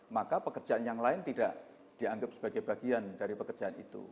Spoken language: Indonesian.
maka pekerjaan yang lain tidak dianggap sebagai bagian dari pekerjaan itu